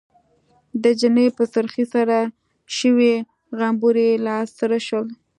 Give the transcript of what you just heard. د نجلۍ په سرخۍ سره شوي غومبري لاسره شول.